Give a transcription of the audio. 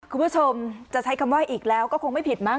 คุณผู้ชมจะใช้คำว่าอีกแล้วก็คงไม่ผิดมั้